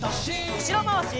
うしろまわし。